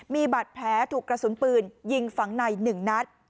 มีบัตรแพ้ถูกกระสุนปืนยิงฝังในหนึ่งนัด